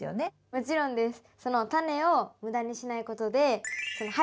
もちろんです。